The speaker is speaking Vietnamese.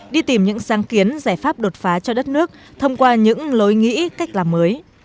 đi tìm những sáng kiến giải pháp đột phá cho đất nước thông qua những lối nghĩ cách làm mới